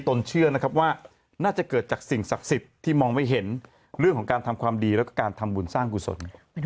นเชื่อนะครับว่าน่าจะเกิดจากสิ่งศักดิ์สิทธิ์ที่มองไม่เห็นเรื่องของการทำความดีแล้วก็การทำบุญสร้างกุศล